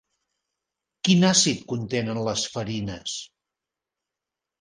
Quin àcid contenen les farines?